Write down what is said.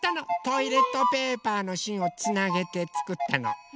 トイレットペーパーのしんをつなげてつくったの。